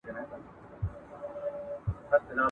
لرغوني ښارونه تاریخي ارزښت لري.